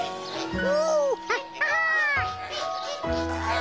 お。